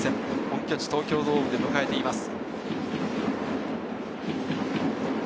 本拠地・東京ドームで迎えています。